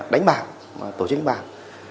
đánh bạc và tổ chức đánh bạc